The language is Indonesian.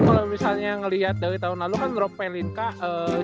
tapi kalo misalnya ngeliat dari tahun lalu kan rob pelinka ee